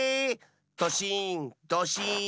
ドシーンドシーン！